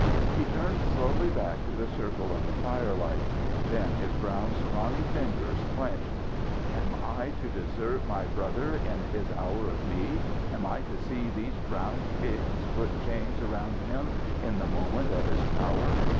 He turned slowly back to the circle of the firelight. Then his brown, scrawny fingers clenched. "Am I to desert my brother in his hour of need? Am I to see these brown pigs put chains around him, in the moment of his power?